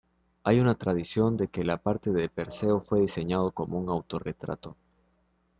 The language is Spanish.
Hay una tradición de que la parte de Perseo fue diseñado como un autorretrato.